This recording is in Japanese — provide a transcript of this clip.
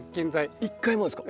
一回もですか？